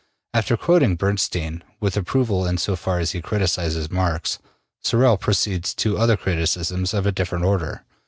After quoting Bernstein, with approval in so far as he criticises Marx, Sorel proceeds to other criticisms of a different order.